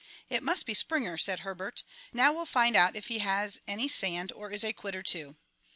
"It must be Springer," said Herbert. "Now we'll find out if he has any sand or is a quitter, too."